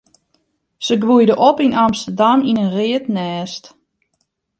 Se groeide op yn Amsterdam yn in read nêst.